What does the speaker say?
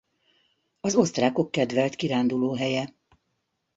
Az osztrákok kedvelt kirándulóhelye.